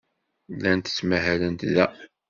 Llant ttmahalent da.